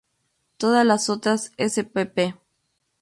Todas las otras spp.